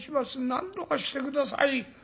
なんとかして下さい』。